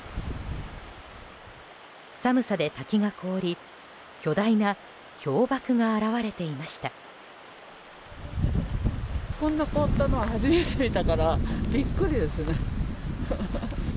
寒さで滝が凍り巨大な氷瀑が現れていました。